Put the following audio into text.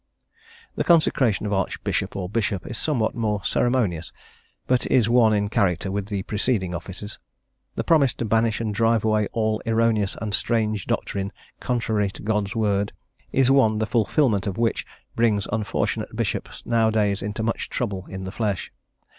The Consecration of Archbishop or Bishop is somewhat more ceremonious, but is one in character with the preceding offices. The promise to banish and drive away all erroneous and strange doctrine contrary to God's word is one the fulfilment of which brings unfortunate bishops nowadays into much trouble in the flesh.